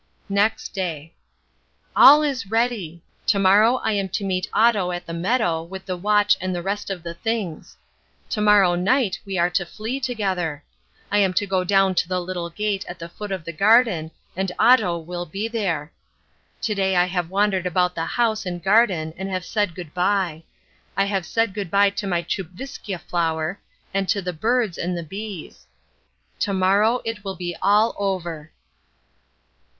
Next Day. All is ready. To morrow I am to meet Otto at the meadow with the watch and the rest of the things. To morrow night we are to flee together. I am to go down to the little gate at the foot of the garden, and Otto will be there. To day I have wandered about the house and garden and have said good bye. I have said good bye to my Tchupvskja flower, and to the birds and the bees. To morrow it will be all over.